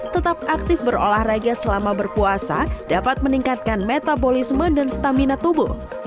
tetap aktif berolahraga selama berpuasa dapat meningkatkan metabolisme dan stamina tubuh